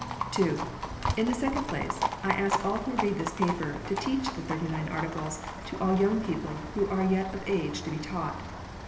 * (2) In the second place, I ask all who read this paper to teach the Thirty nine Articles to all young people who are yet of an age to be taught.